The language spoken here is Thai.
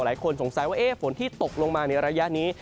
หลายคนสงสัยว่าฝนที่ตกลงมาในระยะนี้